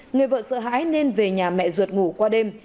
người vợ sợ hãi nên về nhà mẹ ruột ngủ qua đêm